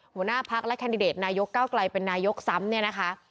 หัวหน้าพักและแคนดิเดตนายกเก้าไกลเป็นนายกซ้ำเนี่ยนะคะ